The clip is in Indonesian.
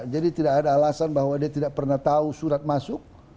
jadi tidak ada alasan bahwa dia tidak pernah tahu surat masuk